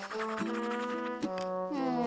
うん。